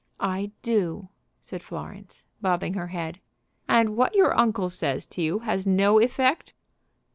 "I do," said Florence, bobbing her head. "And what your uncle says to you has no effect?"